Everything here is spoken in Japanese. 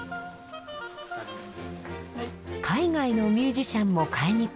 海外のミュージシャンも買いに来る